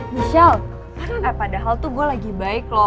michelle padahal tuh gue lagi baik loh